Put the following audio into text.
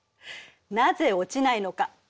なぜ落ちないのか。